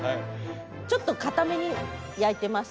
ちょっとかために焼いてます。